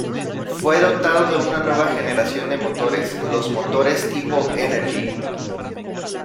Fue dotado de una nueva generación de motores, los motores tipo Energy.